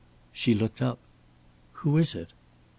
She looked up. "Who is it?"